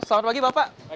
selamat pagi bapak